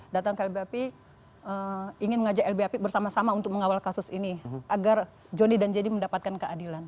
datang ke lbap ingin mengajak lbap bersama sama untuk mengawal kasus ini agar johnny dan jenny mendapatkan keadilan